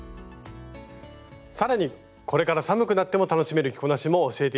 更にこれから寒くなっても楽しめる着こなしも教えて頂きましょう。